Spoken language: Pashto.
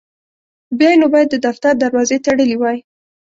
بیا یې نو باید د دفتر دروازې تړلي وای.